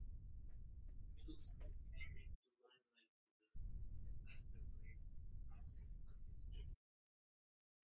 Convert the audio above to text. The middle school came into the limelight under Headmaster Late Narsingh Pandit ji.